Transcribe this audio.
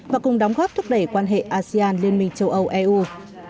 và cùng đóng góp thúc đẩy quan hệ asean liên minh châu âu eu